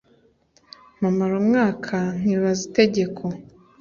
Mpamara umwaka nkibaza itegeko